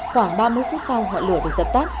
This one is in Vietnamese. khoảng ba mươi phút sau ngọn lửa được dập tắt